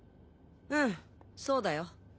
うんそうだよ。